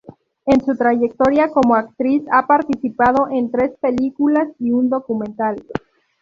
En su trayectoria como actriz, ha participado en tres películas y un documental.